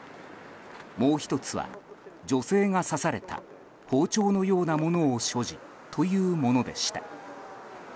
もう１つは女性が刺された包丁のようなものを所持というものでした。